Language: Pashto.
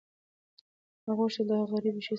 ما غوښتل چې د هغې غریبې ښځې سره مرسته وکړم.